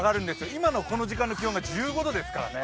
今のこの時間の気温が１５度ですからね。